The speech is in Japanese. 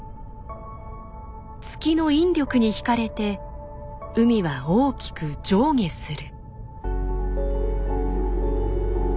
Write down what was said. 月の引力に引かれて海は大きく上下する。